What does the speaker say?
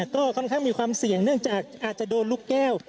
ก็ค่อนข้างมีความเสี่ยงเนื่องจากอาจจะโดนลูกแก้ว